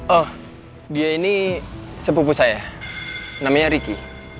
oh dia ini sepupu saya namanya ricky